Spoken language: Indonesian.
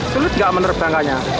sulit gak menerbangkannya